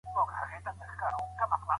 انسان په مځکه کي د خدای خلیفه ګرځول سوی دی.